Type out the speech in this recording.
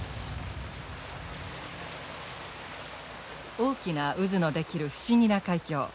大きな渦の出来る不思議な海峡。